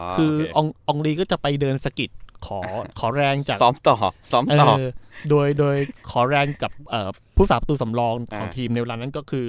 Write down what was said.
คืออองรีก็จะไปเดินสกิตขอแรงจากโดยขอแรงกับผู้สามารถประตูสำรองของทีมในวันนั้นก็คือ